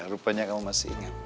rupanya kamu masih ingat